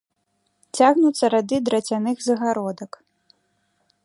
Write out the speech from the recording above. Цягнуцца рады драцяных загародак.